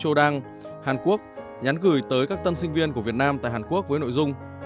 châu đăng hàn quốc nhắn gửi tới các tân sinh viên của việt nam tại hàn quốc với nội dung